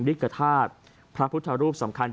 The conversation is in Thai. ริกฐาตุพระพุทธรูปสำคัญ